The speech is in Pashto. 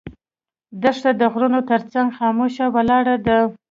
دښته د غرونو تر څنګ خاموشه ولاړه ده.